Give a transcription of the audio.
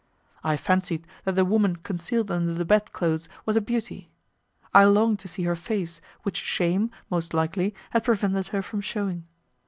I fancied that the woman concealed under the bed clothes was a beauty. I longed to see her face, which shame, most likely, had prevented her from shewing.